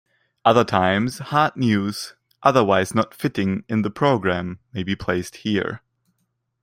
Other times, hard news otherwise not fitting in the program may be placed here.